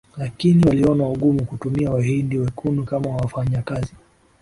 Lakini waliona ugumu kutumia Wahindi wekundu kama wafanyakazi